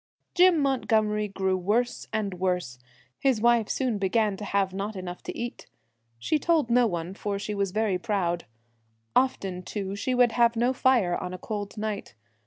Jim Mont gomery grew worse and worse : his wife soon began to have not enough to eat. She told no one, for she was very proud. Often, too, she would have no fire on a cold night.